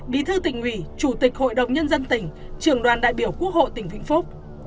bí thư tỉnh ủy chủ tịch hội đồng nhân dân tỉnh trưởng đoàn đại biểu quốc hội tỉnh vĩnh phúc